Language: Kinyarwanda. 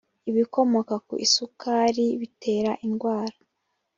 ibikomoka ku isukari bitera indwara.